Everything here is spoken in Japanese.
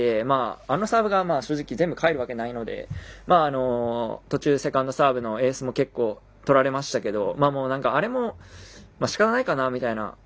あのサーブが正直全部返るわけないので途中でセカンドサーブのエースもとられましたけどあれも、しかたないかなみたいな。